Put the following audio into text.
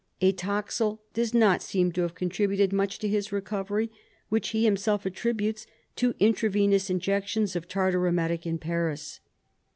Atoxyl does not seem to have contributed much to his recovery, which he himself attributes to intravenous injections of tartar emetic in Paris.